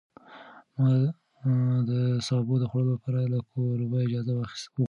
ما د سابو د خوړلو لپاره له کوربه اجازه وغوښته.